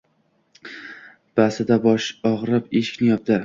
Basida bosh irg‘ab eshikni yopdi.